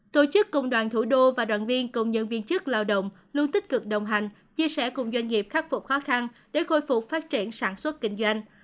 tổ chức công đoàn thủ đô và đoàn viên công nhân viên chức lao động luôn tích cực đồng hành chia sẻ cùng doanh nghiệp khắc phục khó khăn để khôi phục phát triển sản xuất kinh doanh